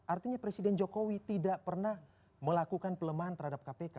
artinya presiden jokowi tidak pernah melakukan pelemahan terhadap kpk